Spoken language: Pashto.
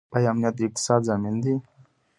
آیا امنیت د اقتصاد ضامن دی؟